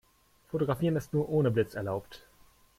Fotografieren ist nur ohne Blitz erlaubt.